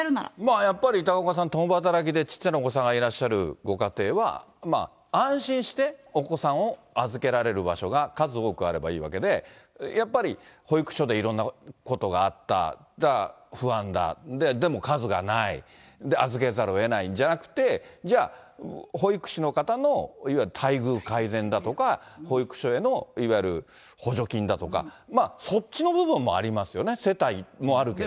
やっぱり高岡さん、共働きで小っちゃなお子さんがいらっしゃるご家庭は、安心してお子さんを預けられる場所が数多くあればいいわけで、やっぱり保育所でいろんなことがあった、じゃあ、不安だ、でも数がない、で、預けざるをえないじゃなくて、じゃあ、保育士の方の待遇改善だとか、保育所へのいわゆる補助金だとか、そっちの部分もありますよね、世帯もあるけど。